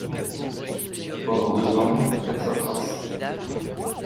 Pendant deux ans, je perds sa trace.